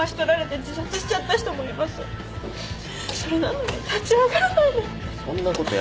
それなのに立ち上がらないなんて。